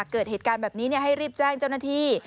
เกิดเหตุการณ์แบบนี้ให้รีบแจ้งเจ้าหน้าที่